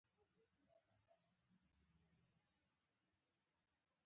د اشرف غني تګ؛ د هېواد حالات ډېر کړکېچن کړل.